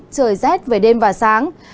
trời rét về đêm và sáng